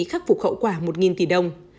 khắc phục khẩu quả một tỷ đồng